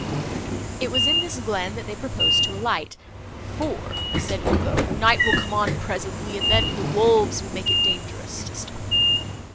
It was in this glen, that they proposed to alight, "For," said Ugo, "night will come on presently, and then the wolves will make it dangerous to stop."